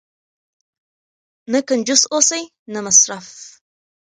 نه کنجوس اوسئ نه مسرف.